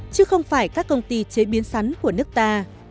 chứ không phải các công ty chế biến sắn của nước ta